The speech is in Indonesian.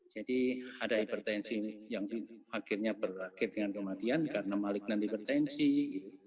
jadi ada hipertensi yang akhirnya berakhir dengan kematian karena malignant hipertensi